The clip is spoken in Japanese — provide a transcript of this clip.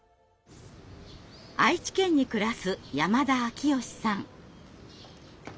愛知県に暮らす山田昭義さん。